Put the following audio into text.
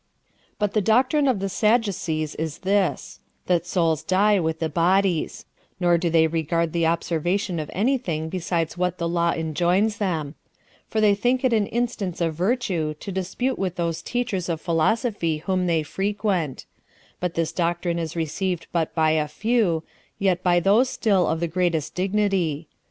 4. But the doctrine of the Sadducees is this: That souls die with the bodies; nor do they regard the observation of any thing besides what the law enjoins them; for they think it an instance of virtue to dispute with those teachers of philosophy whom they frequent: but this doctrine is received but by a few, yet by those still of the greatest dignity.